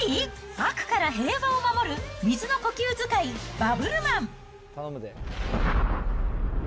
悪から平和を守る水の呼吸使いバブルマン。